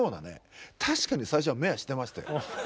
確かに最初は目はしてましたよ。